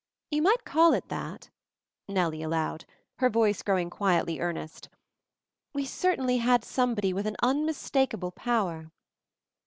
"You might call it that," Nellie allowed, her voice growing quietly earnest, "We certainly had somebody with an unmistak able Power."